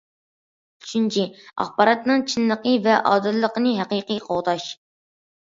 ئۈچىنچى، ئاخباراتنىڭ چىنلىقى ۋە ئادىللىقىنى ھەقىقىي قوغداش.